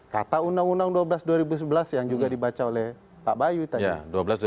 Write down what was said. kata undang undang dua belas dua ribu sebelas yang juga dibaca oleh pak bayu tadi